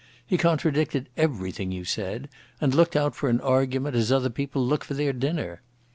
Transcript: He contradicted everything you said, and looked out for an argument as other people look for their dinner.